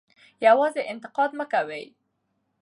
یوازې انتقاد مه کوئ.